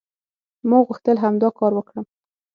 ما غوښتل همدا کار وکړم".